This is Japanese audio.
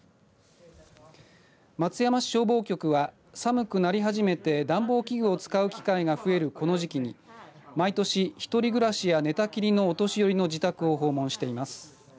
松山市消防局は、寒くなり始めて暖房器具を使う機会が増えるこの時期に毎年、１人暮らしや寝たきりのお年寄りの自宅を訪問しています。